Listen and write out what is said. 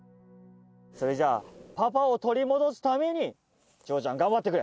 それじゃあパパを取り戻すために千穂ちゃん頑張ってくれ。